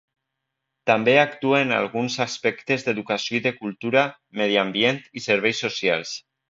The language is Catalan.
També actua en alguns aspectes d'educació i de cultura, medi ambient i serveis socials.